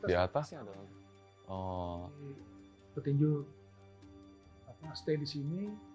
kemudian di atasnya ada petinju yang stay di sini